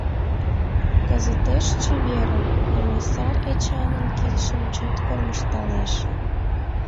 Кызытеш чеверын! — комиссар Эчанын кидшым чот кормыжталеш.